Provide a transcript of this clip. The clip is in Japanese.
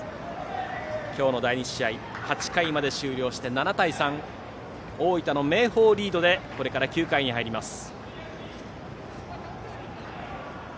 今日の第２試合８回まで終了して７対３大分の明豊がリードでこれから９回に入ります。